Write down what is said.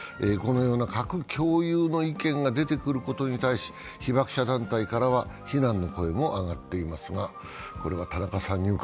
このような核共有の意見が出てくることに対し、被爆者団体からは非難の声も上がっていますが？